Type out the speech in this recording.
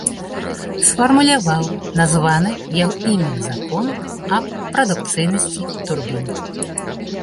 Сфармуляваў названы яго імем закон аб прадукцыйнасці турбін.